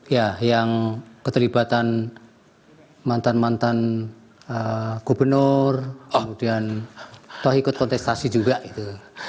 ya yang keterlibatan mantan mantan gubernur kemudian toh ikut kontestasi juga gitu